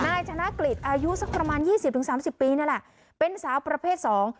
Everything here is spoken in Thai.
ธนกฤษอายุสักประมาณยี่สิบถึงสามสิบปีนี่แหละเป็นสาวประเภทสอง